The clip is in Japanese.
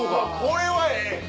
これはええ！